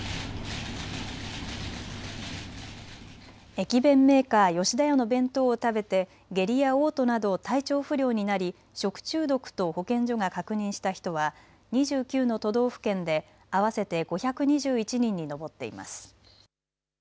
駅弁メーカー、吉田屋の弁当を食べて下痢やおう吐など体調不良になり食中毒と保健所が確認した人は２９の都道府県で合わせて５２１人に上っています。